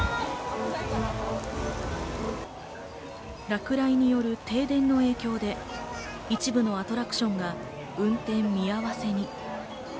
落雷による停電の影響で、一部のアトラクションが運転見合わせに。